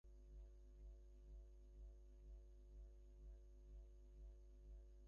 তারি রথ নিত্যই উধাও জাগাইছে অন্তরীক্ষে হৃদয়স্পন্দন, চক্রে-পিষ্ট আঁধারের বক্ষফাটা তারার ক্রন্দন।